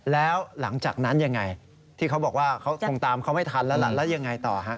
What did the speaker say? แล้วหลังจากนั้นยังไงที่เขาบอกว่าเขาคงตามเขาไม่ทันแล้วล่ะแล้วยังไงต่อฮะ